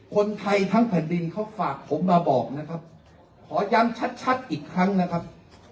คนไทยทั้งแผ่นดินเขาฝากผมมาบอกนะครับขอย้ำชัดชัดอีกครั้งนะครับ